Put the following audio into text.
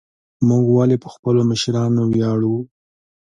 موږ ولې په خپلو مشرانو ویاړو؟